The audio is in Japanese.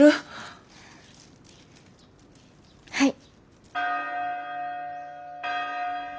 はい。